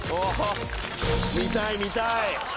見たい見たい！